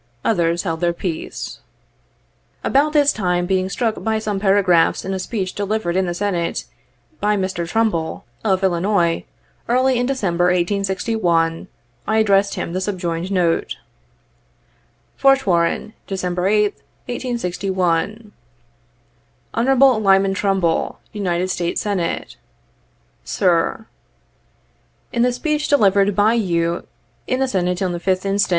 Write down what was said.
Others held their peace. About this time, being struck by some paragraphs in a speech delivered, in the Senate, by Mr. Trumbull, of Illinois, early in December, 1861, I addressed him the subjoined note : "Fort Warren, December 8th, 1861. "Hon. LYMAN TRUMBULL, United States Senate, "Sir: "la the speech delivered by you in the Senate on the 5th inst.